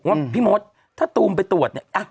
ว่าพี่มธถ้าตูมไปตรวจ